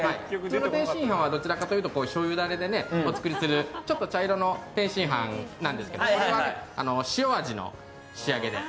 天津飯はどちらかというとしょうゆダレでお作りするちょっと茶色の天津飯なんですけどこれは塩味の仕上げで。